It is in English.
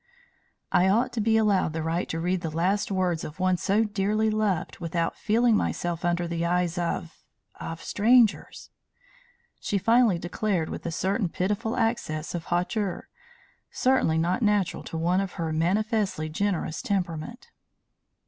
"I ought to be allowed the right to read the last words of one so dearly loved without feeling myself under the eyes of of strangers," she finally declared with a certain pitiful access of hauteur certainly not natural to one of her manifestly generous temperament.